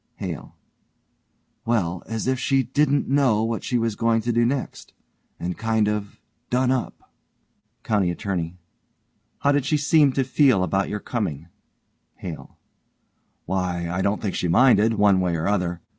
HALE: Well, as if she didn't know what she was going to do next. And kind of done up. COUNTY ATTORNEY: How did she seem to feel about your coming? HALE: Why, I don't think she minded one way or other.